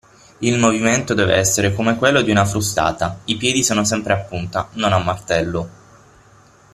Il movimento deve essere come quello di una frustata. I piedi sono sempre a punta (non a martello).